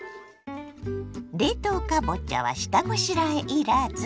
冷凍かぼちゃは下ごしらえいらず。